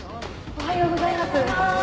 おはようございます。